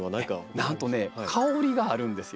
なんとね香りがあるんですよ。